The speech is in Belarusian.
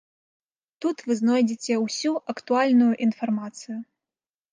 Тут вы знойдзеце ўсю актуальную інфармацыю.